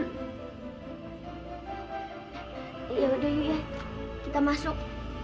yaudah yuk ya kita masuk